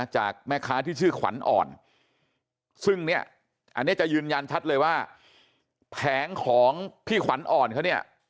จากแม่ค้าที่ชื่อขวัญอ่อนซึ่งเนี่ยอันนี้จะยืนยันชัดเลยว่าแผงของพี่ขวัญอ่อนเขาเนี่ย